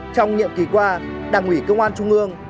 trong nhiệm kỳ qua đảng ủy công an trung ương